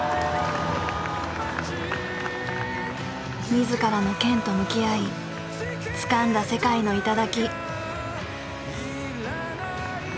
自らの剣と向き合いつかんだ世界の頂。